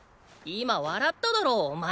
今笑っただろお前！